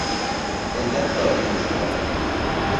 عزت عالی مستدام